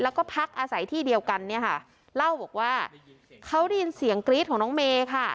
แล้วก็พักอาศัยที่เดียวกันเนี่ยค่ะเล่าบอกว่าเขาได้ยินเสียงกรี๊ดของน้องเมย์ค่ะ